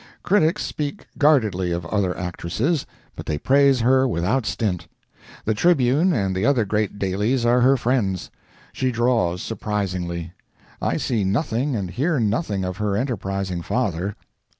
Critics speak guardedly of other actresses, but they praise her without stint. The Tribune and the other great dailies are her friends. She draws surprisingly. I see nothing and hear nothing of her enterprising father.